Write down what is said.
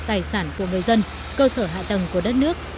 tài sản của người dân cơ sở hạ tầng của đất nước